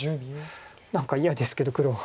何か嫌ですけど黒。